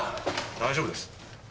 大丈夫です。